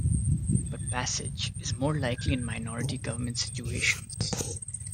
But passage is more likely in minority government situations.